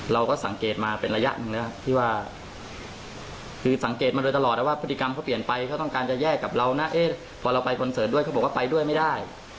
เราก็สังเกตมาเป็นระยะหนึ่งแล้วที่ว่าคือสังเกตมาโดยตลอดว่าพฤติกรรมเขาเปลี่ยนไปเขาต้องการจะแยกกับเรานะพอเราไปคอนเสิร์ตด้วยเขาบอกว่าไปด้วยไม่ได้